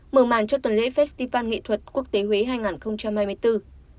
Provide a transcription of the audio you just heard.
mở màn cho tuần lễ festival nghệ thuật quốc tế huế hai nghìn hai mươi bốn